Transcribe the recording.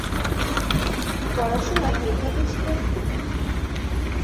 পড়াশুনায় মেধাবী ছিলেন খুব।